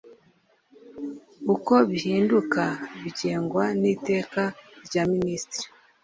uko bihinduka bigengwa n’ iteka rya minisitiri